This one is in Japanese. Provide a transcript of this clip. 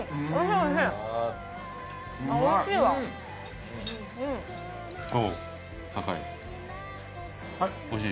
おいしい？